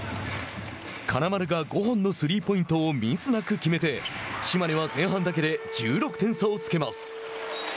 金丸が５本のスリーポイントをミスなく決めて島根は前半だけで１６点差をつけます。